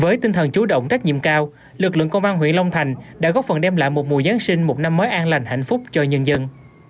với tinh thần chủ động trách nhiệm cao lực lượng công an huyện long thành đã góp phần đem lại một mùa giáng sinh một năm mới an lành hạnh phúc cho nhân dân